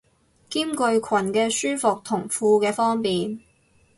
兼具裙嘅舒服同褲嘅方便